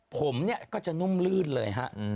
ผมเนี่ยก็จะนุ่มลื่นเลยฮะ